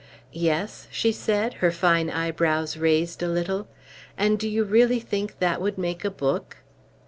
"Yes?" she said, her fine eyebrows raised a little. "And do you really think that would make a book?"